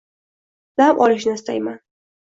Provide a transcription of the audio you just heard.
Dam olishni istayman.